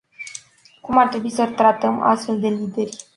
Cum ar trebui să tratăm astfel de lideri?